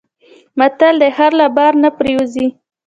متل دی: خر له بار نه پرېوځي.